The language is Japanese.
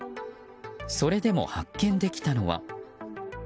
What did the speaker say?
それでも発見できたのは。